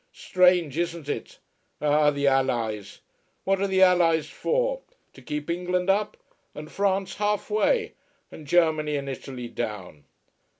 Strange, isn't it? Ah, the allies. What are the allies for? To keep England up, and France half way, and Germany and Italy down."